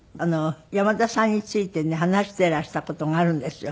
山田さんについてね話してらした事があるんですよ。